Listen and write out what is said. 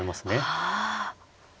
ああ。